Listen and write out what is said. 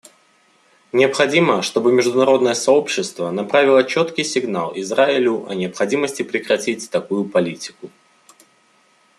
Необходимо, чтобы международное сообщество направило четкий сигнал Израилю о необходимости прекратить такую политику.